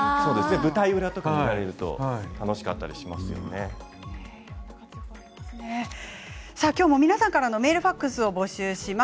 舞台裏とかだったり今日も皆さんからのメール、ファックスを募集します。